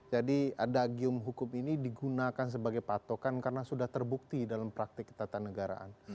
jadi adagium hukum ini digunakan sebagai patokan karena sudah terbukti dalam praktik ketatanegaraan